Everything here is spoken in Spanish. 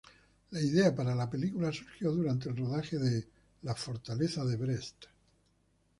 La idea para la película surgió durante el rodaje de Fortaleza de Brest.